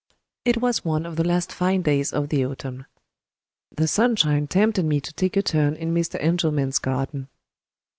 It was one of the last fine days of the autumn. The sunshine tempted me to take a turn in Mr. Engelman's garden.